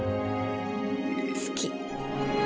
好き。